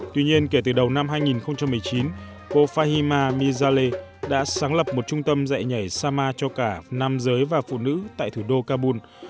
tuy nhiên kể từ đầu năm hai nghìn một mươi chín cô fahima mizale đã sáng lập một trung tâm dạy nhảy sama cho cả nam giới và phụ nữ tại thủ đô kabul